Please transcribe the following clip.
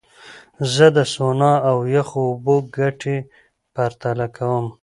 زه د سونا او یخو اوبو ګټې پرتله کوم.